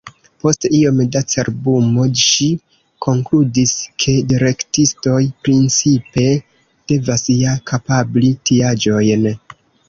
Post iom da cerbumo ŝi konkludis, ke direktistoj principe devas ja kapabli tiaĵojn.